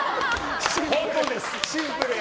シンプルや。